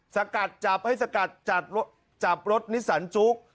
สกัดจับให้สกัดจับรถนิสันจุ๊ก